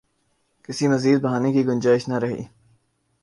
کسی مزید بہانے کی گنجائش نہ رہی۔